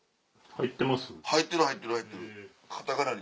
入ってる入ってる入ってる。